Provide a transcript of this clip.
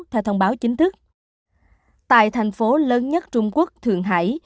theo thông báo chính thức tại thành phố lớn nhất trung quốc thượng hải